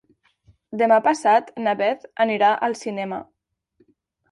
Demà passat na Beth anirà al cinema.